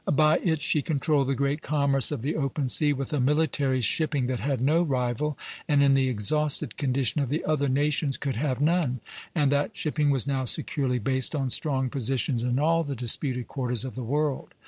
By it she controlled the great commerce of the open sea with a military shipping that had no rival, and in the exhausted condition of the other nations could have none; and that shipping was now securely based on strong positions in all the disputed quarters of the world.